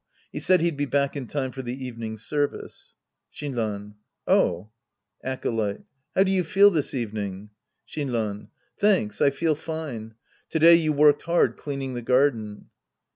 He said he'd be back in time for the evening service. Shinran. Oh. Acolyte. How do you feel tliis evening ? Shinran. Thanks, Ij feel fine. To day you worked hard cleaning the garden.